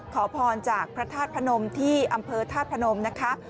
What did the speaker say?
ขอพรจากพระธาตุพนมที่อำเภอธาตุพนมนะคะ